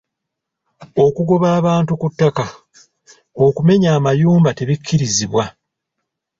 Okugoba abantu ku ttaka, okumenya amayumba tebikkirizibwa.